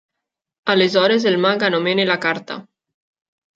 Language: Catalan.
Aleshores el mag anomena la carta.